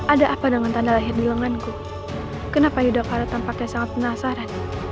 ada apa dengan tanda lahir di lenganku kenapa yuda kalau tampaknya sangat penasaran